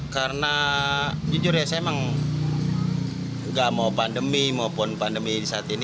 karena jujur ya saya memang nggak mau pandemi maupun pandemi saat ini